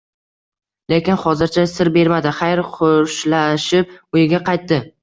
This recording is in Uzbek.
Lekin hozircha sir bermadi, xayr-xo‘shlashib uyiga qaytdi